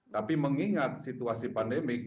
tapi mengingat situasi pandemik